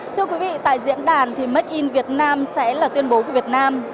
thưa quý vị tại diễn đàn thì made in vietnam sẽ là tuyên bố của việt nam